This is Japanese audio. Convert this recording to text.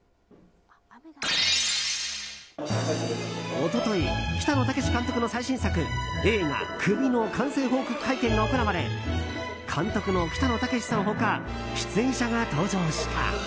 一昨日、北野武監督の最新作映画「首」の完成報告会見が行われ監督の北野武さん他出演者が登場した。